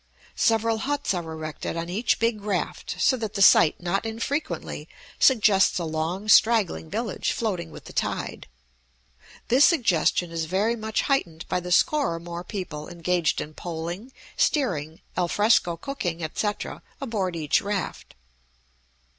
Several huts are erected on each big raft, so that the sight not infrequently suggests a long straggling village floating with the tide. This suggestion is very much heightened by the score or more people engaged in poling, steering, al fresco cooking, etc., aboard each raft.